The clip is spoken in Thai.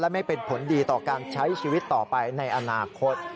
ไม่เป็นผลดีต่อการใช้ชีวิตต่อไปในอนาคต